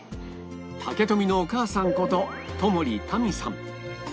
竹富のお母さんこと友利民さん